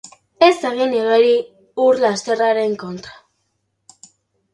Ez egin igeri ur-lasterraren kontra.